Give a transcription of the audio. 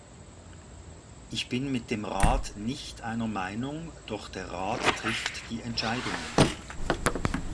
Ich bin mit dem Rat nicht einer Meinung, doch der Rat trifft die Entscheidungen.